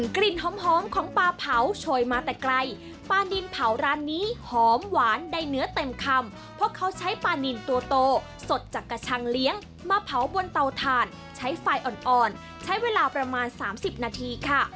กลิ่นหอมของปลาเผาโชยมาแต่ไกลปลานินเผาร้านนี้หอมหวานได้เนื้อเต็มคำเพราะเขาใช้ปลานินตัวโตสดจากกระชังเลี้ยงมาเผาบนเตาถ่านใช้ไฟอ่อนใช้เวลาประมาณ๓๐นาทีค่ะ